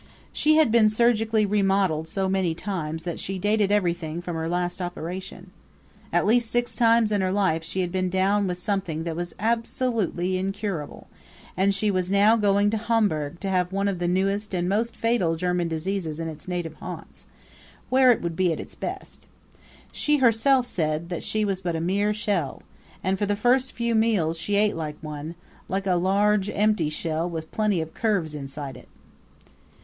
She had been surgically remodeled so many times that she dated everything from her last operation. At least six times in her life she had been down with something that was absolutely incurable, and she was now going to Homburg to have one of the newest and most fatal German diseases in its native haunts, where it would be at its best. She herself said that she was but a mere shell; and for the first few meals she ate like one like a large, empty shell with plenty of curves inside it.